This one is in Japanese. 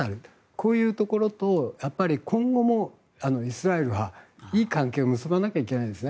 こういうところと今後もイスラエルは、いい関係を結ばないといけないんですね。